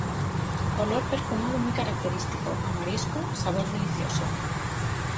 Olor perfumado muy característico, a marisco, sabor delicioso.